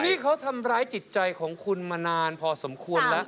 นี่เขาทำร้ายจิตใจของคุณมานานพอสมควรแล้ว